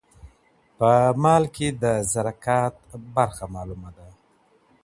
په مال کي د زکات برخه معلومه ده.